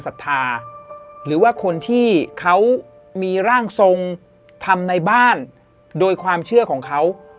ศรัทธาหรือว่าคนที่เขามีร่างทรงทำในบ้านโดยความเชื่อของเขา